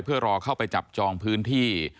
เพื่อรอเข้าไปจับจองพื้นที่